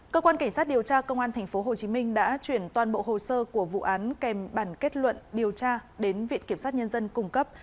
cơ quan cảnh sát điều tra công an tp hcm đã chuyển toàn bộ hồ sơ của vụ án kèm bản kết luận điều tra đến viện kiểm sát nhân dân cung cấp